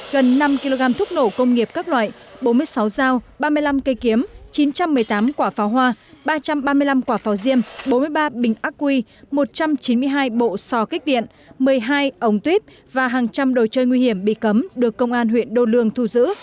gần năm kg thuốc nổ công nghiệp các loại bốn mươi sáu dao ba mươi năm cây kiếm chín trăm một mươi tám quả pháo hoa ba trăm ba mươi năm quả pháo diêm bốn mươi ba bình ác quy một trăm chín mươi hai bộ sò kích điện một mươi hai ống tuyếp và hàng trăm đồ chơi nguy hiểm bị cấm được công an huyện đô lương thu giữ